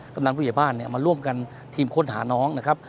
กำลังผู้ใหญ่บ้านมาร่วมกันทีมค้นหาน้องนะครับ